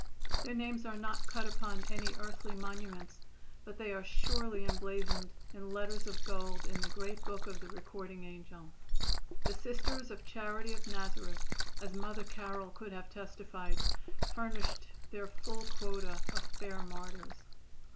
Their names are not cut upon any earthly monuments, but they are surely emblazoned in letters of gold in the great book of the Recording Angel. The Sisters of Charity of Nazareth, as Mother Carroll could have testified, furnished their full quota of fair martyrs.